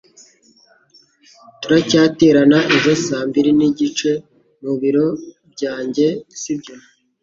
Turacyaterana ejo saa mbiri nigice mu biro byanjye, sibyo?